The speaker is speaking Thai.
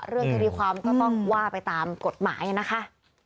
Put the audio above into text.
เรื่องคดีความก็ต้องว่าไปตามกฎหมายนะคะ